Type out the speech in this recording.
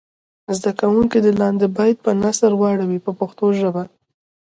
زده کوونکي دې لاندې بیت په نثر واړوي په پښتو ژبه.